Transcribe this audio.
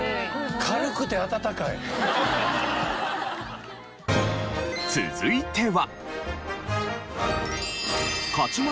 軽くて暖かい？続いては。